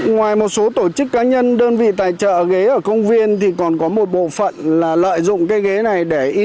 ngoài một số tổ chức cá nhân đơn vị tài trợ ghế ở công viên thì còn có một bộ phận là lợi dụng cái ghế này để in